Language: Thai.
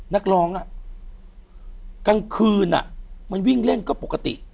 นักร้องกลางคืนมันวิ่งเล่นก็ปกติ